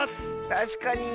たしかに！